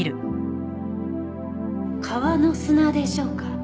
川の砂でしょうか？